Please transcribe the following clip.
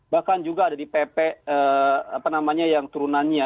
bahkan juga ada di pp yang turunannya